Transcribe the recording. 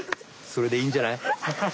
それでいいんじゃない？